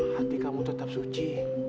hati kamu tetap suci